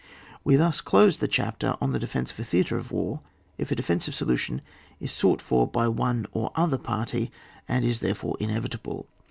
We thus close the chapter on the de fence of a theatre of war if a decisive solution is sought for by one or other party, and is therefore inevitable.